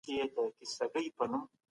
مفاهیم د څېړنې مختلف ګروپونه لري.